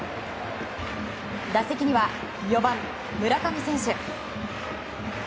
打席には４番、村上選手。